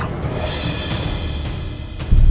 sudah lama tidak bertemu